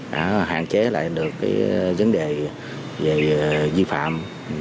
đã hạn chế lại được vấn đề về di phạm